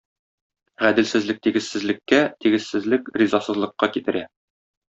Гаделсезлек тигезсезлеккә, тигезсезлек ризасызлыкка китерә.